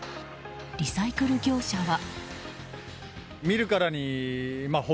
リサイクル業者は。